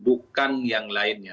bukan yang lainnya